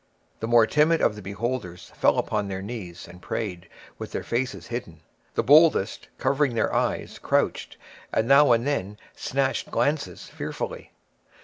The more timid of the beholders fell upon their knees, and prayed, with their faces hidden; the boldest, covering their eyes, crouched, and now and then snatched glances fearfully.